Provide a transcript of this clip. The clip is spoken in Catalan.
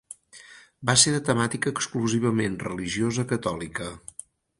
Va ser de temàtica exclusivament religiosa catòlica.